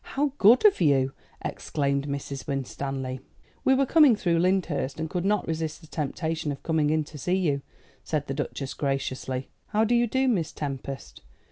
"How good of you!" exclaimed Mrs. Winstanley. "We were coming through Lyndhurst, and could not resist the temptation of coming in to see you," said the Duchess graciously. "How do you do, Miss Tempest?